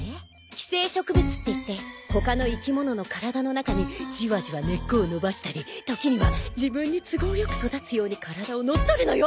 寄生植物っていって他の生き物の体の中にじわじわ根っこを伸ばしたり時には自分に都合良く育つように体を乗っ取るのよ。